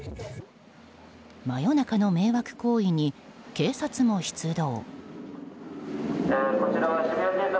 真夜中の迷惑行為に警察も出動。